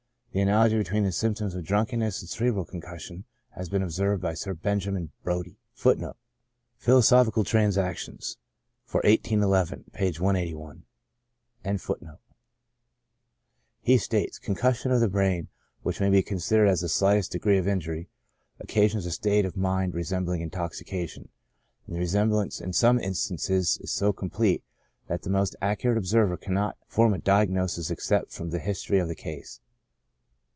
The analogy between the symptoms of drunkenness and cerebral concussion has been observed by Sir Benjamin Brodie.* He states :" Concussion of the brain, which may be considered as the slightest degree of injury, occa sions a state of mind resembling intoxication, and the re semblance in some instances is so complete, that the most accurate observer cannot form a diagnosis except from the history of the case."